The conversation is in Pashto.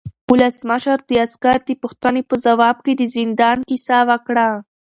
ولسمشر د عسکر د پوښتنې په ځواب کې د زندان کیسه وکړه.